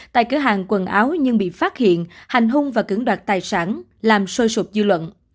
tại cửa hàng quần áo nhưng bị phát hiện hành hung và cưỡng đoạt tài sản làm sôi sụp dư luận